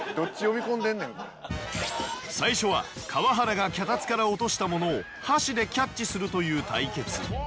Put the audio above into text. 最初は川原が脚立から落としたものを箸でキャッチするという対決。